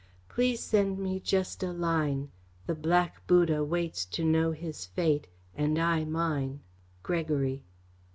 Please send me just a line. The black Buddha waits to know his fate, and I mine. GREGORY.